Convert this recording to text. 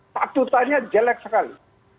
statutanya jelek sekali